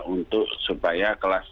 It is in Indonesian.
untuk supaya kelas